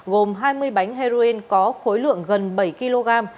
gồm hai mươi bánh heroin có khối lượng gần bảy kg